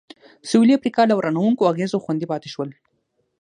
سوېلي افریقا له ورانوونکو اغېزو خوندي پاتې شول.